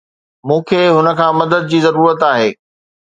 مون کي هن کان مدد جي ضرورت آهي.